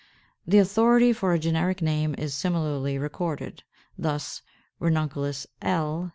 The authority for a generic name is similarly recorded. Thus, "Ranunculus, L.